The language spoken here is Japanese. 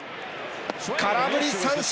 空振り三振。